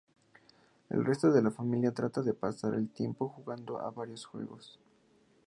El resto de la familia trata de pasar el tiempo jugando a varios juegos.